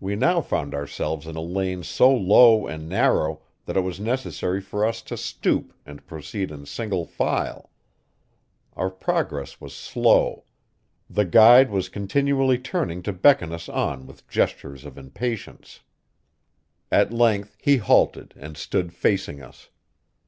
We now found ourselves in a lane so low and narrow that it was necessary for us to stoop and proceed in single file. Our progress was slow; the guide was continually turning to beckon us on with gestures of impatience. At length he halted and stood facing us.